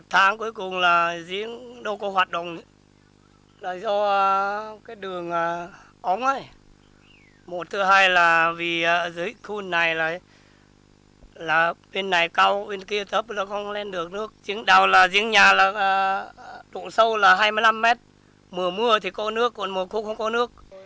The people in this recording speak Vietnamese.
hệ thống đường ống là hai mươi năm m mùa mưa thì có nước còn mùa khúc không có nước